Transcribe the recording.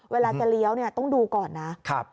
เวลาจะเลี้ยวเนี้ยต้องดูก่อนน่ะครับ